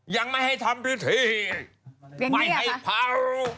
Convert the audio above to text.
ยังไม่ให้ทำพิธีไม่ให้พารู้